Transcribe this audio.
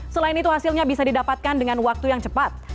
selain itu hasilnya bisa didapatkan dengan waktu yang cepat